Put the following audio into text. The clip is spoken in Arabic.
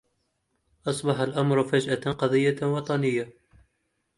أصبح الأمر فجأة قضية وطنية.